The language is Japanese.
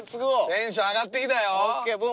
テンション上がってきたよ。